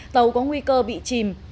tàu có nguy cơ bị chìm